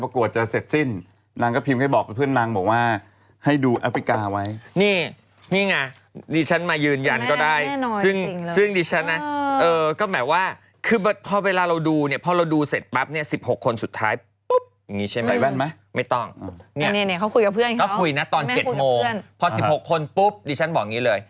เค้าคุยกับเพื่อนเขาแม่คุยกับเพื่อนเพราะ๑๖คนปุ๊บดิฉันบอกอย่างนี้เลย